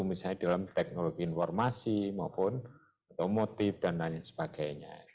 misalnya dalam teknologi informasi maupun otomotif dan lain sebagainya